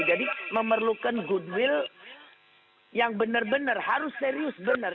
jadi memerlukan goodwill yang benar benar harus serius benar